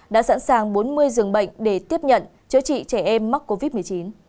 đã sẵn sàng bốn mươi giường bệnh để tiếp nhận chữa trị trẻ em mắc covid một mươi chín